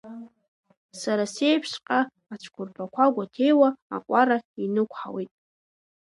Сара сеиԥшҵәҟьа ацәқәырԥақәа гәаҭеиуа аҟәара инықәҳауеит.